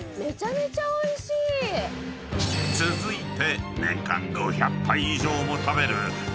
［続いて］